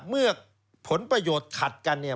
เมื่อผลประโยชน์ขัดกันเนี่ย